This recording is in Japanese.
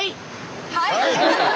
はい！